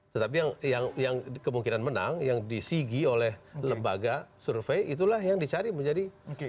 tetapi yang kemungkinan menang yang disigi oleh lembaga survei itulah yang dicari menjadi